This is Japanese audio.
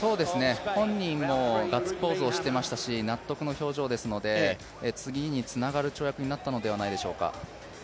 本人もガッツポーズをしてましたし納得の表情ですので、次につながる跳躍になったのではないでしょうか。